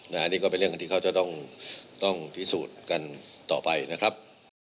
อันนี้ก็เป็นเรื่องที่เขาจะต้องพิสูจน์กันต่อไปนะครับ